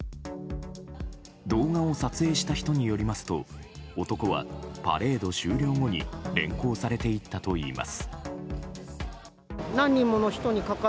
動画を撮影した人によりますと男はパレード終了後に連行されていったといいます。